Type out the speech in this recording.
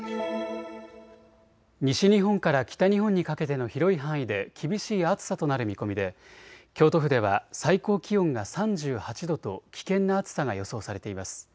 西日本から北日本にかけての広い範囲で厳しい暑さとなる見込みで京都府では最高気温が３８度と危険な暑さが予想されています。